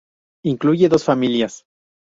Incluye dos familias.